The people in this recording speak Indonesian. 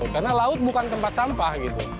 karena laut bukan tempat sampah